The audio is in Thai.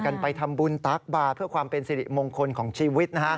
กันไปทำบุญตักบาทเพื่อความเป็นสิริมงคลของชีวิตนะฮะ